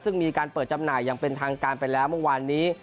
ซึ่งมีการเปิดจำหน่ายอย่างเป็นทางการไปแล้วเมื่อวานนี้